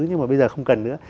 nhưng mà bây giờ không cần nữa